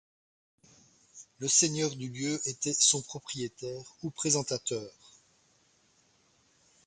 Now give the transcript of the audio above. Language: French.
Le seigneur du lieu en était son propriétaire ou présentateur.